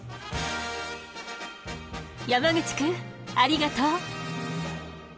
山口くんありがとう。